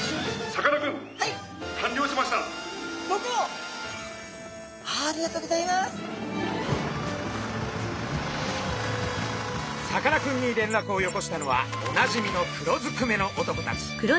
さかなクンにれんらくを寄こしたのはおなじみの黒ずくめの男たち。